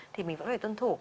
thì mình vẫn phải tuân thủ